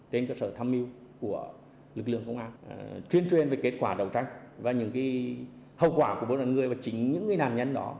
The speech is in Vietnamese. trên cơ sở thăm mưu của lực lượng công an truyền truyền về kết quả đầu trách và những hậu quả của bốn đàn người và chính những nạn nhân đó